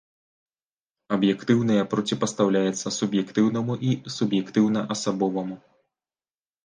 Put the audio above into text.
Аб'ектыўнае проціпастаўляецца суб'ектыўнаму і суб'ектыўна-асабоваму.